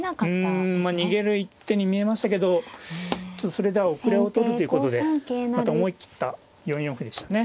うんまあ逃げる一手に見えましたけどちょっとそれでは後れを取るということでまた思い切った４四歩でしたね。